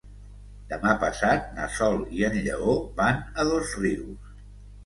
Demà passat na Sol i en Lleó van a Dosrius.